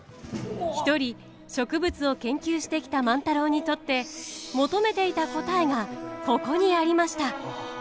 一人植物を研究してきた万太郎にとって求めていた答えがここにありました。